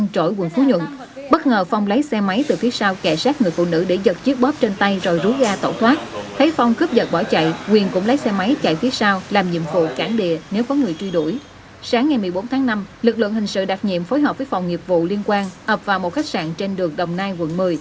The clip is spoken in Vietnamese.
sáng ngày một mươi bốn tháng năm lực lượng hình sự đặc nhiệm phối hợp với phòng nghiệp vụ liên quan ập vào một khách sạn trên đường đồng nai quận một mươi